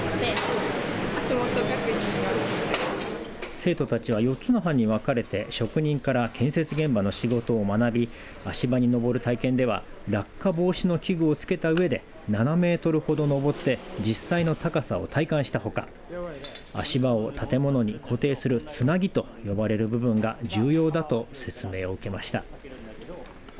生徒たちは４つの班に分かれて職人から建設現場の仕事を学び足場に上る体験では落下防止の器具をつけたうえで７メートルほど上って実際の高さを体感したほか足場を建物に固定するつなぎと呼ばれる部分が重要だと説明を受けました。